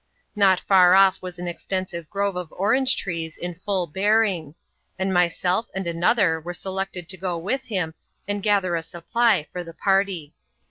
Not far off was an extensive grove of orange trees in full bearing ; and myself and another were selected to go with him, and gather a supply for the party.